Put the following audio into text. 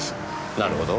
なるほど。